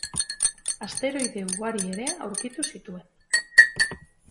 Asteroide ugari ere aurkitu zituen.